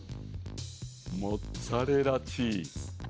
モッツァレラチーズ。